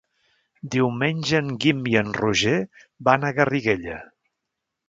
Diumenge en Guim i en Roger van a Garriguella.